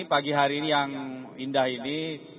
pagi hari ini yang indah ini